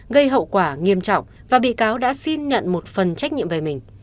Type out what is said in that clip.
gây hậu quả nghiêm trọng và bị cáo đã xin nhận một phần trách nhiệm về mình